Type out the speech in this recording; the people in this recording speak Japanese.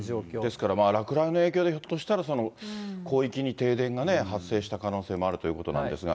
ですから、落雷の影響でひょっとしたら広域に停電が発生した可能性もあるということなんですが。